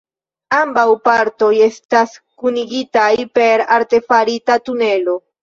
Ambaŭ partoj estas kunigitaj per artefarita tunelo.